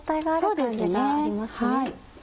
そうですね。